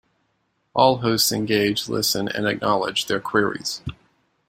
All hosts engage, listen and acknowledge their queries.